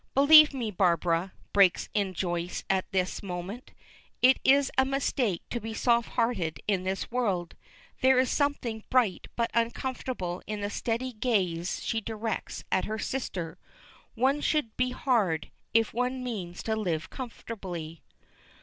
"Believe me, Barbara," breaks in Joyce at this moment, "it is a mistake to be soft hearted in this world." There is something bright but uncomfortable in the steady gaze she directs at her sister. "One should be hard, if one means to live comfortably."